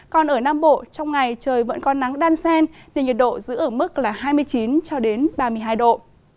còn ở nam bộ trong ngày trời vẫn còn nắng đan xen thì nhiệt độ giữ ở mức là hai mươi chín ba mươi hai độ